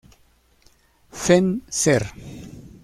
Fenn., Ser.